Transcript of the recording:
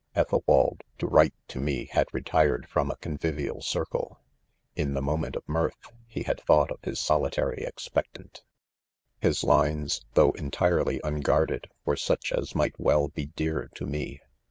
'Ethelwald to write tome, had retired from a convivial circle ,• in " the moment of mirth, 3 * he had thought of his solitary: expectant ; his lines, though entirely unguarded,' weFe such as might well be dear to me.